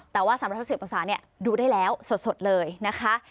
แต่ว่า๓๖๐องศานี่ดูได้แล้วสดเลยนะคะ